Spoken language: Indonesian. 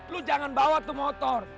lu jangan bawa tuh motor